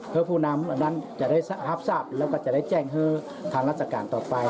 เพื่อผู้นำอันนั้นจะได้ครับสับแล้วก็ทางราศการต่อไป